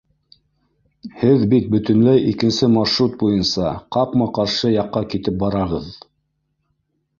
— Һеҙ бит бөтөнләй икенсе маршрут буйынса, ҡапма-ҡаршы яҡҡа китеп барағыҙ!